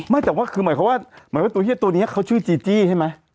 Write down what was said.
ไม่แต่ว่าคือหมายความว่าเหมือนว่าตัวเฮียตัวนี้เขาชื่อจีจี้ใช่ไหม